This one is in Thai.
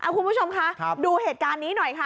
คุณผู้ชมคะดูเหตุการณ์นี้หน่อยค่ะ